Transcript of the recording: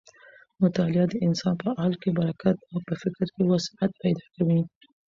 مطالعه د انسان په عقل کې برکت او په فکر کې وسعت پیدا کوي.